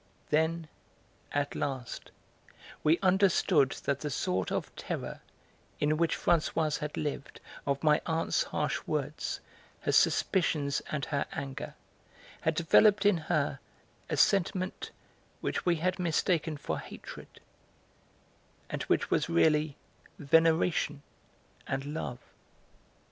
Then, at last, we understood that the sort of terror in which Françoise had lived of my aunt's harsh words, her suspicions and her anger, had developed in her a sentiment which we had mistaken for hatred, and which was really veneration and love.